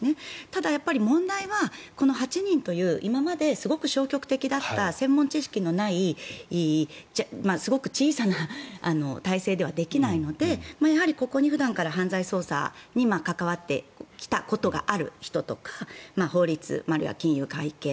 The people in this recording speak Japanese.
ただ、問題は８人という今まですごく消極的だった専門知識のないすごく小さな体制ではできないのでやはりここに普段から犯罪捜査に関わってきたことがある人とか法律、あるいは金融、会計